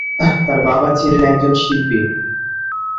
তার বাবা ছিলেন একজন শিল্পী।